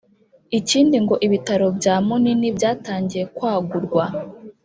Ikindi ngo ibitaro bya Munini byatangiye kwagurwa